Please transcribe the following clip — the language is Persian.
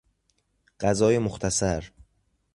غذای مختصر